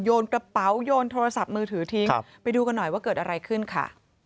โยนกระเป๋าโยนโทรศัพท์มือถือทิ้งไปดูกันหน่อยว่าเกิดอะไรขึ้นค่ะ